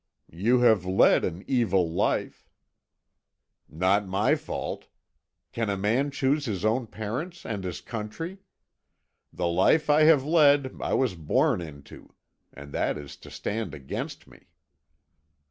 "You have led an evil life." "Not my fault. Can a man choose his own parents and his country? The life I have led I was born into; and that is to stand against me."